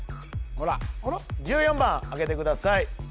ほら１４番開けてください